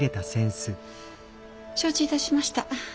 承知いたしました。